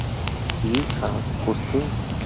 Y a Justin.